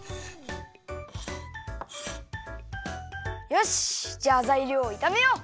よしじゃあざいりょうをいためよう！